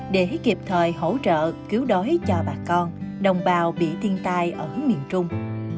để kịp thời hỗ trợ cứu đói cho bà con đồng bào bị thiên tai ở miền trung